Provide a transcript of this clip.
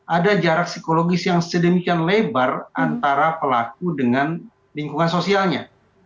ada jarak psikologis yang sedemikian lebar antara pelaku dengan lingkungan sosialnya